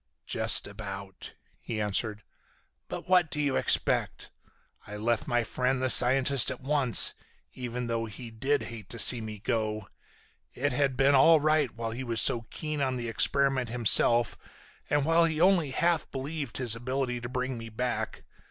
"Just about," he answered. "But what do you expect? I left my friend the scientist at once, even though he did hate to see me go. It had been all right while he was so keen on the experiment himself and while he only half believed his ability to bring me back.